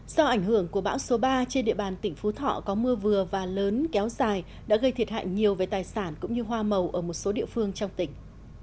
do ảnh hưởng của bão số ba trên địa bàn tỉnh phú thọ có mưa vừa và lớn kéo dài đã gây thiệt hại nhiều về tài sản cũng như hoa màu ở một số địa phương trong tỉnh